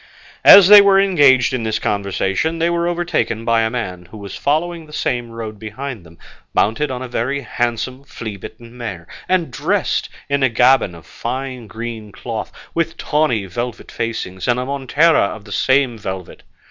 As they were engaged in this conversation they were overtaken by a man who was following the same road behind them, mounted on a very handsome flea bitten mare, and dressed in a gaban of fine green cloth, with tawny velvet facings, and a montera of the same velvet.